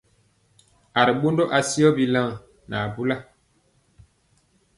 A ri ɓondɔ asiyɔ bilaŋ nɛ abula.